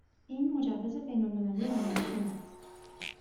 این مجوز بین المللی رانندگی من است.